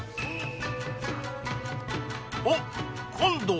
［おっ今度は？］